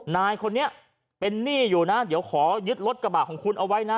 นายคนนี้เป็นหนี้อยู่นะเดี๋ยวขอยึดรถกระบะของคุณเอาไว้นะ